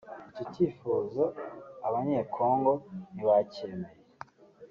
Icyo cyifuzo Abanyekongo ntibacyemeye